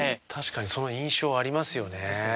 確かにその印象ありますよね。